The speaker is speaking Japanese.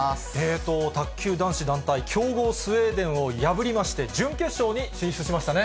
卓球男子団体、強豪、スウェーデンを破りまして、準決勝に進出しましたね。